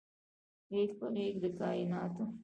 غیږ په غیږ د کائیناتو